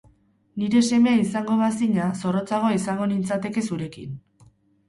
Nire semea izango bazina, zorrotzagoa izango nintzateke zurekin.